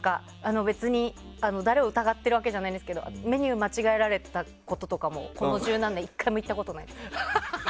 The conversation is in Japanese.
別に誰を疑ってるわけじゃないんですけどメニューを間違えられてたこととかもここ十何年１回も言ったことないです。